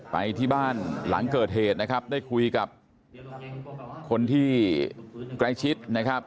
ไปที่บ้านหลังเกิดเหตุนะครับได้คุยกับคนที่ใกล้ชิดนะครับ